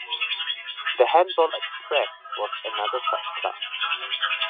The Handball Express was another such club.